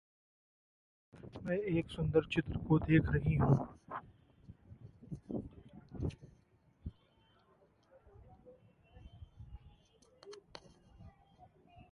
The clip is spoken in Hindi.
मैं एक सुंदर चित्र को देख रही हूँ।